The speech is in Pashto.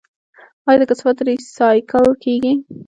آیا د کثافاتو ریسایکل کیږي؟